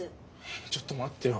ちょっと待ってよ。